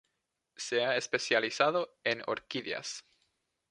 Se ha especializado en orquídeas.